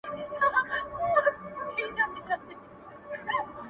د وخت له کانه به را باسمه غمی د الماس ,